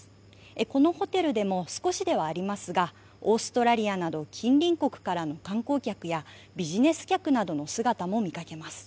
このホテルでも少しではありますがオーストラリアなど近隣国からの観光客やビジネス客などの姿も見かけます。